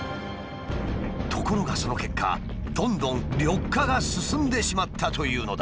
ところがその結果どんどん緑化が進んでしまったというのだ。